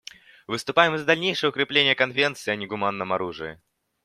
Выступаем за дальнейшее укрепление Конвенции о негуманном оружии.